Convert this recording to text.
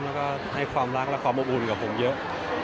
แล้วก็ให้ความรักและความอบอุ่นกับผมเยอะ